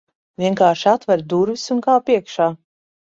Vienkārši atver durvis, un kāp iekšā.